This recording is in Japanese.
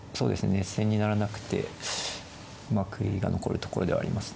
熱戦にならなくて悔いが残るところではあります。